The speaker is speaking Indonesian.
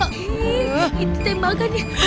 hei itu tembakan ya